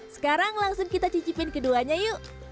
sekarang langsung kita cicipin keduanya yuk